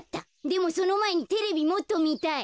でもそのまえにテレビもっとみたい。